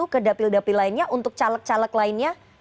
ke dapil dapil lainnya untuk caleg caleg lainnya